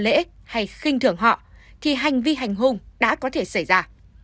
nếu không có vô lễ hay khinh thường họ thì hành vi hành hung đã có thể xảy ra